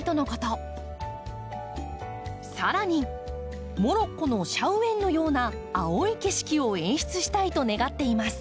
さらにモロッコのシャウエンのような青い景色を演出したいと願っています。